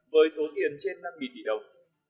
với số tiền trên năm tỷ đồng